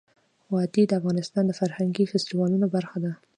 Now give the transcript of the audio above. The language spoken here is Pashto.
وادي د افغانستان د فرهنګي فستیوالونو برخه ده.